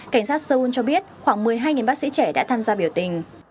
cảnh sát seoul cho biết khoảng một mươi hai bác sĩ trẻ đã tham gia biểu tình